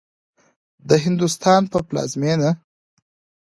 د هندوستان په پلازمېنه